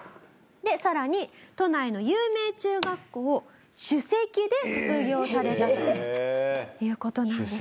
でさらに都内の有名中学校を首席で卒業されたという事なんですよね。